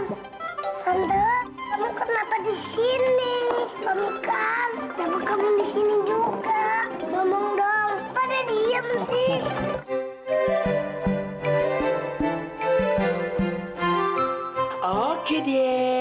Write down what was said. biasa kebanyakan bijinya